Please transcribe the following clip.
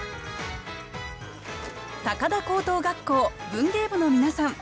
高田高等学校文芸部の皆さん